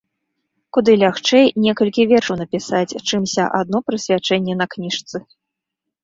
Куды лягчэй некалькі вершаў напісаць, чымся адно прысвячэнне на кніжцы.